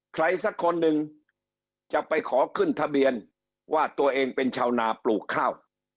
ใครสักคนหนึ่งจะไปขอขึ้นทะเบียนว่าตัวเองเป็นชาวนาปลูกข้าว